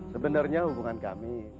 sebenarnya hubungan kami